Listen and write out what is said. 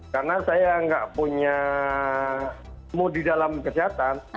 karena saya nggak punya mood di dalam kesehatan